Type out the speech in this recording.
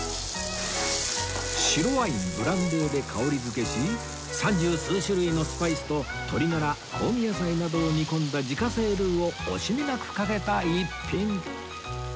白ワインブランデーで香り付けし三十数種類のスパイスと鶏ガラ香味野菜などを煮込んだ自家製ルーを惜しみなくかけた逸品